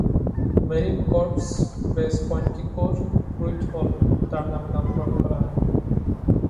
Marine corps base কোয়ান্টিকোর Pruitt হল তার নামে নামকরণ করা হয়।